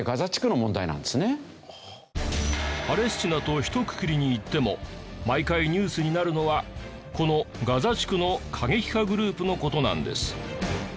あくまでパレスチナとひとくくりにいっても毎回ニュースになるのはこのガザ地区の過激派グループの事なんです。